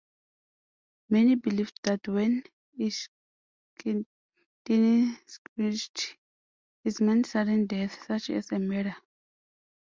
Many believed that when "ishkitini" screeched, it meant sudden death, such as a murder.